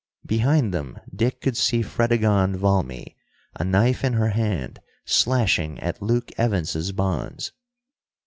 Behind them Dick could see Fredegonde Valmy, a knife in her hand, slashing at Luke Evans's bonds.